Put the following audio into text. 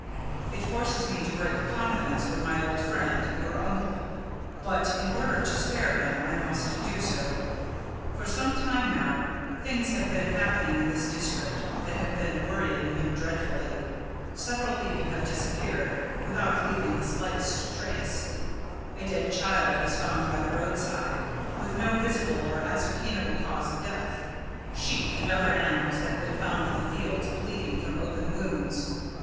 It forces me to break confidence with my old friend, your uncle but, in order to spare him, I must do so. For some time now, things have been happening in this district that have been worrying him dreadfully several people have disappeared, without leaving the slightest trace; a dead child was found by the roadside, with no visible or ascertainable cause of death sheep and other animals have been found in the fields, bleeding from open wounds.